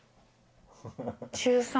中３？